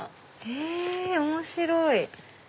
へぇ面白い！